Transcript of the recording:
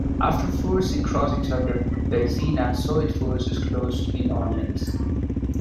After forcing crossings of the Berezina, Soviet forces closed in on Minsk.